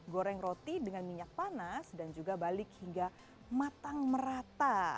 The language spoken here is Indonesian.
goreng roti dengan minyak panas dan juga balik hingga matang merata